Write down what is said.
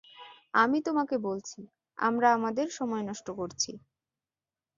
আমি তোমাকে বলছি, আমরা আমাদের সময় নষ্ট করছি।